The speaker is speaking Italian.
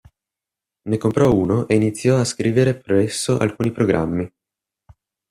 Ne comprò uno ed iniziò a scrivere per esso alcuni programmi.